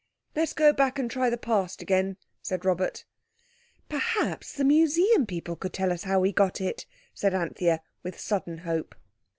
"Let's go back and try the Past again," said Robert. "Perhaps the Museum people could tell us how we got it," said Anthea with sudden hope.